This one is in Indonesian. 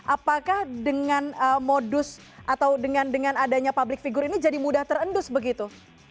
apakah dengan modus atau dengan adanya public figure ini jadi mudah terendus begitu